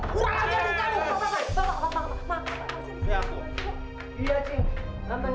gua lagi yang ditangguh